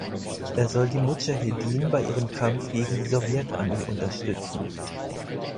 Er soll die Mudschahedin bei ihrem Kampf gegen die Sowjetarmee unterstützen.